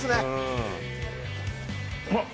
うまっ。